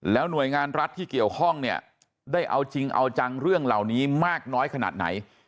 หน่วยงานรัฐที่เกี่ยวข้องเนี่ยได้เอาจริงเอาจังเรื่องเหล่านี้มากน้อยขนาดไหน